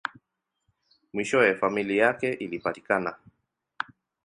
Mwishowe, familia yake ilipatikana.